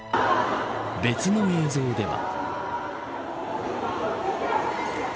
別の映像では。